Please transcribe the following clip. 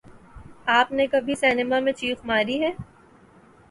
آپ نے کبھی سنیما میں چیخ ماری ہے